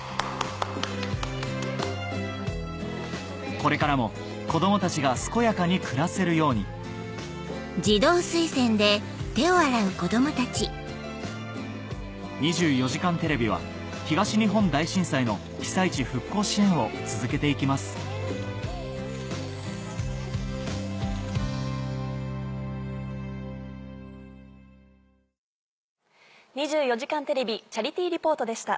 これからも子供たちが健やかに暮らせるように『２４時間テレビ』は東日本大震災の被災地復興支援を続けて行きます「２４時間テレビチャリティー・リポート」でした。